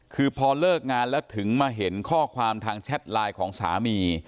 คือพอเลิกงานแล้วถึงมาเห็นข้อความทางแชทไลน์ของสามี